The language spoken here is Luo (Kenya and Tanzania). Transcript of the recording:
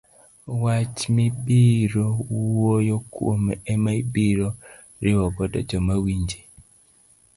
wach mibiro wuoyo kuome ema ibiro riwo godo joma winji.